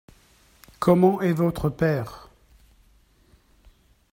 Comment est votre père ?